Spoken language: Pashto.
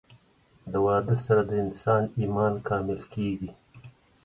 د واده سره د انسان ايمان کامل کيږي